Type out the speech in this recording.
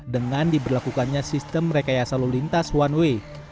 dengan diberlakukannya sistem rekayasa lalu lintas one way